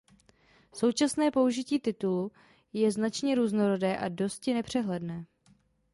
Současné použití titulu je značně různorodé a dosti nepřehledné.